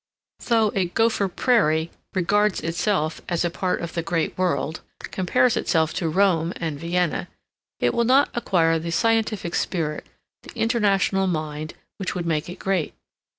Though a Gopher Prairie regards itself as a part of the Great World, compares itself to Rome and Vienna, it will not acquire the scientific spirit, the international mind, which would make it great.